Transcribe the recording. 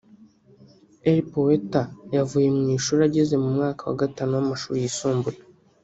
El Poeta yavuye mu ishuri ageze mu mwaka wa gatanu w’amashuri yisumbuye